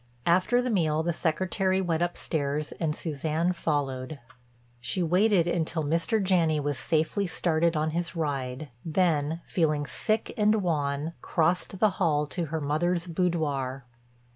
After the meal the Secretary went upstairs and Suzanne followed. She waited until Mr. Janney was safely started on his ride, then, feeling sick and wan, crossed the hall to her mother's boudoir.